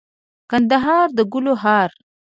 کندهار دګلو هار